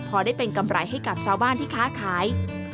พอได้เป็นกำไรให้กับชาวบ้านที่ค้าขาย